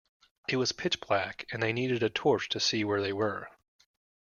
It was pitch black, and they needed a torch to see where they were